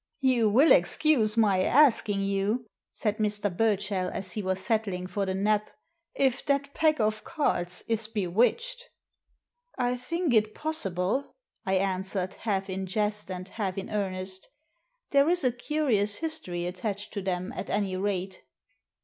" You will excuse my asking you," said Mr. Burchell, as he was settling for the Nap, " if that pack of cards is bewitched ?" "I think it possible," I answered, half in jest and half in earnest " There is a curious history attached to them, at any rate."